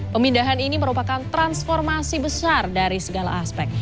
pemindahan ini merupakan transformasi besar dari segala aspek